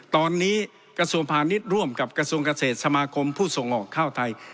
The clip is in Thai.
ตอนนี้กระทรวงพาณิชย์ร่วมกับกระทรวงเกษตรสมาคมผู้ส่งออกข้าวไทย